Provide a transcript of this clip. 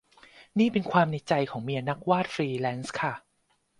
นี่เป็นความในใจของเมียนักวาดฟรีแลนซ์ค่ะ